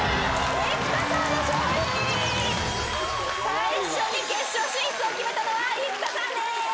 最初に決勝進出を決めたのは生田さんでーす！